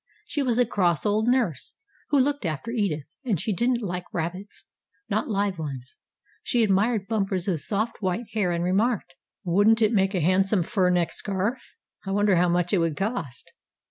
She was a cross old nurse, who looked after Edith, and she didn't like rabbits not live ones. She admired Bumper's soft, white hair, and remarked: "Wouldn't it make a handsome fur neck scarf? I wonder how much it would cost."